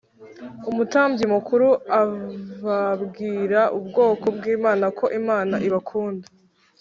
Umutambyi mukuru avbwira ubwoko bw’imana ko imana ibakunda